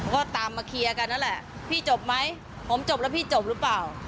คนตามบังเคยกันแล้วแหละพี่จบไม่ผมจบแล้วพี่จบหรือเปล่า